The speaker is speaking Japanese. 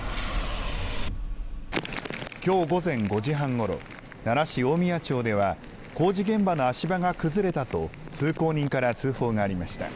きょう午前５時半ごろ、奈良市大宮町では、工事現場の足場が崩れたと通行人から通報がありました。